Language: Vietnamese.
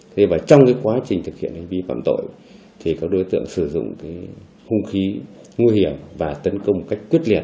thế và trong cái quá trình thực hiện hành vi phạm tội thì các đối tượng sử dụng cái khung khí nguy hiểm và tấn công một cách quyết liệt